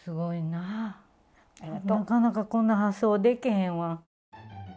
なかなかこんな発想でけへんわ。